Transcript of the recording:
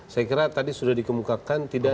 saya kira tadi sudah dikemukakan